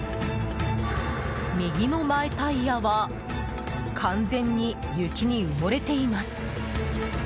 右の前タイヤは完全に雪に埋もれています。